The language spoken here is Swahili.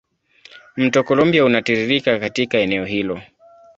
Mto Columbia unatiririka katika eneo hilo.